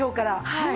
はい。